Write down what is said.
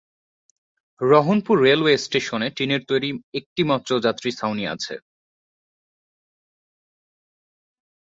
Rohanpur railway স্টেশনে টিনের তৈরি একটি মাত্র যাত্রী ছাউনি আছে।